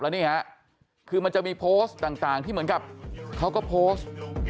แล้วนี่ฮะคือมันจะมีโพสต์ต่างที่เหมือนกับเขาก็โพสต์